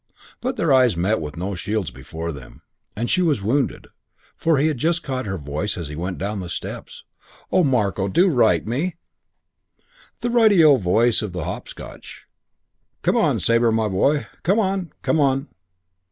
But their eyes met with no shields before them; and she was wounded, for he just caught her voice as he went down the steps, "Oh, Marko, do write to me!" The Ri te O voice of the Hopscotch. "Come on, Sabre, my boy! Come on! Come on!"